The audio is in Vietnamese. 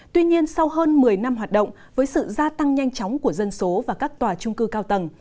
tuy nhiên sau hơn một mươi năm hoạt động với sự gia tăng nhanh chóng của dân số và các tòa trung cư cao tầng